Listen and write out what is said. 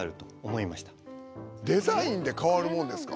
デザインで変わるもんですか？